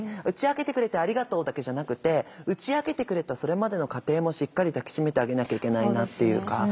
「打ち明けてくれてありがとう」だけじゃなくて打ち明けてくれたそれまでの過程もしっかり抱き締めてあげなきゃいけないなっていうか。